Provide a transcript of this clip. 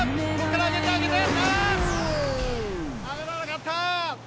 上がらなかった！